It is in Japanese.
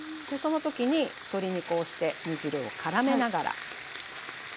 その時に鶏にこうして煮汁をからめながら。